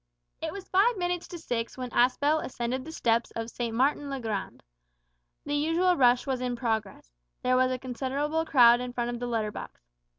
It was five minutes to six when Aspel ascended the steps of St. Martin's le Grand. The usual rush was in progress. There was a considerable crowd in front of the letter box.